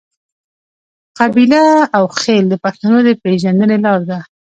قبیله او خیل د پښتنو د پیژندنې لار ده.